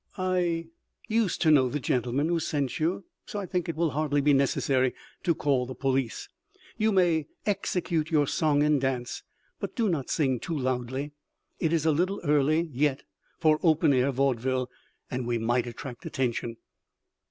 I—used to know the gentleman who sent you, so I think it will hardly be necessary to call the police. You may execute your song and dance, but do not sing too loudly. It is a little early yet for open air vaudeville, and we might attract attention."